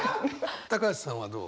橋さんはどう？